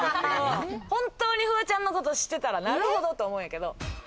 本当にフワちゃんのことを知ってたら、なるほどって思うんやけど。